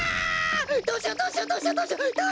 どうしようどうしようどうしようどうしよう！